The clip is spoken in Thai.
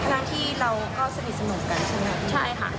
แต่ว่าพอเจอเหตุการณ์นี้เขาเงียบทั้งที่มันไม่ใช่